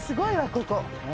ここ。